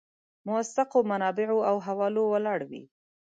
موثقو منابعو او حوالو ولاړ وي.